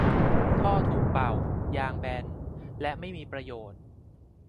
ท่อถูกเป่า ยางแบน และไม่มีประโยชน์